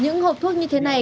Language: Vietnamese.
những hộp thuốc như thế này